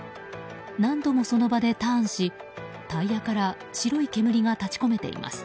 何度もその場でターンしタイヤから白い煙が立ち込めています。